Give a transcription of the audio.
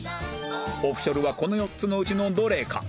オフショルはこの４つのうちのどれか